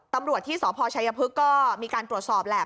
ตำรวจที่สพชัยพฤกษ์ก็มีการตรวจสอบแหละ